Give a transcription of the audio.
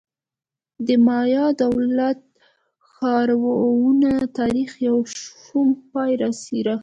د مایا دولت ښارونو تاریخ یو شوم پای راښيي